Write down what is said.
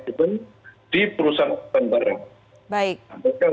mereka harus punya namanya sistem manajemen keselamatan